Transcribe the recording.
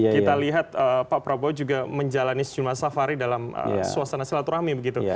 kita lihat pak prabowo juga menjalani sejumlah safari dalam suasana silaturahmi begitu